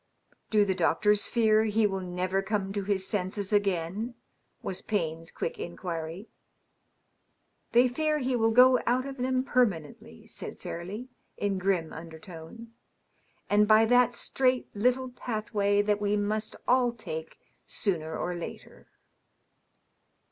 " Do the doctors fear he will never come to his senses again T^ was Payne's quick inquiry. " They fear he will go out of them permanently/' said Fairleigh, in grim unaertone, " and by that strait little pathway that we must all take sooner or later."